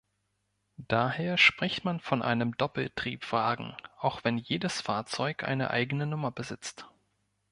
Daher spricht man von einem Doppeltriebwagen, auch wenn jedes Fahrzeug eine eigene Nummer besitzt.